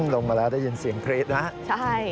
ลงมาล้าวได้ยินเสียงเครจนะ